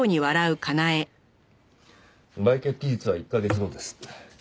売却期日は１カ月後です。